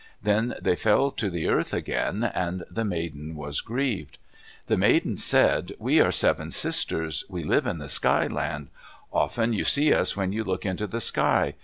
Then they fell to the earth together, and the maiden was grieved. The maiden said, "We are seven sisters. We live in the Sky Land. Often you see us when you look into the sky.